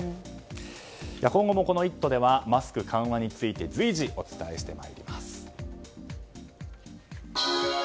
今後もこの「イット！」ではマスク緩和について随時お伝えしていきます。